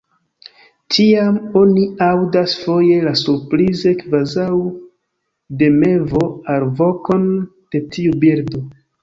Tiam oni aŭdas foje la surprize kvazaŭ de mevo alvokon de tiu birdo.